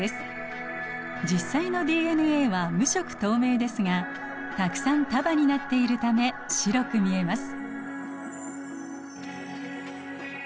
実際のＤＮＡは無色透明ですがたくさん束になっているため白く見えます。